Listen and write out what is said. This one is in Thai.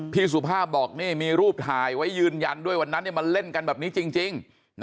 สุภาพบอกนี่มีรูปถ่ายไว้ยืนยันด้วยวันนั้นมันเล่นกันแบบนี้จริง